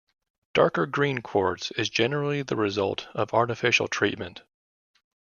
Darker green quartz is generally the result of artificial treatment.